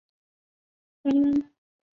北宋襄邑人。